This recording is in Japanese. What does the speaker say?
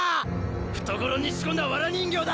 懐に仕込んだわら人形だ！